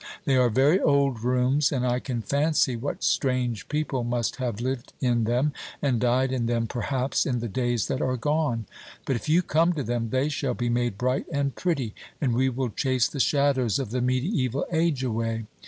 They are very old rooms, and I can fancy what strange people must have lived in them, and died in them perhaps, in the days that are gone. But if you come to them, they shall be made bright and pretty, and we will chase the shadows of the mediæval age away.